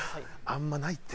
あんまないって。